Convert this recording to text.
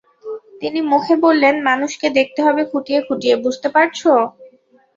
তিনি মুখে বললেন, মানুষকে দেখতে হবে খুঁটিয়ে খুঁটিয়ে, বুঝতে পারছ?